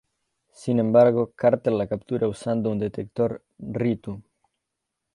Sin embargo, Carter la captura usando un detector Re’tu.